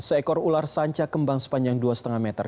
seekor ular sanca kembang sepanjang dua lima meter